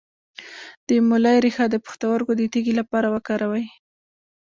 د مولی ریښه د پښتورګو د تیږې لپاره وکاروئ